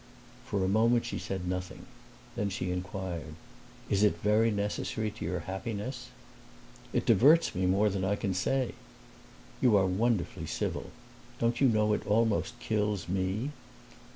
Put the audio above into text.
For a moment she said nothing; then she inquired, "Is it very necessary to your happiness?" "It diverts me more than I can say." "You are wonderfully civil. Don't you know it almost kills ME?"